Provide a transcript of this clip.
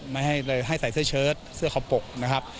ไม่ให้ใส่เสื้อเชิ้ตเสื้อคอปกนะครับ